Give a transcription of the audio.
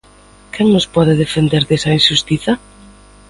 Quen nos pode defender desa inxustiza?